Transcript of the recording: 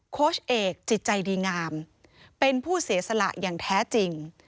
โค้ชเอกจิตใจดีงามเป็นผู้เสียสละอย่างแท้จริง